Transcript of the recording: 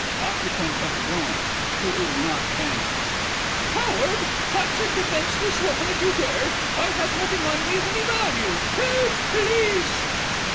OCCUPANT OF THE BROUGHAM. (who is not FANNY). Coward, touch a defenceless woman if you dare! I have nothing on me of any value. Help! Police!